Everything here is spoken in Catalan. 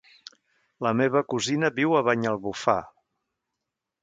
La meva cosina viu a Banyalbufar.